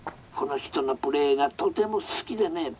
この人のプレーがとても好きでね」。